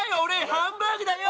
ハンバーグだよ！